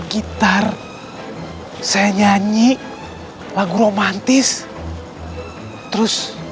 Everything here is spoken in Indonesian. ustaz januyuy juga ke arah pantai